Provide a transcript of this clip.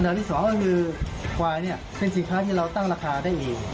อันดับที่สองก็คือควายเป็นสินค้าที่เราตั้งราคาได้เอง